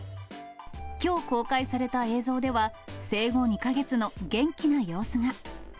きょう公開された映像では、生後２か月の元気な様子が。